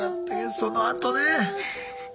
そのあとね。